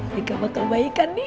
gak bakal baik kan nih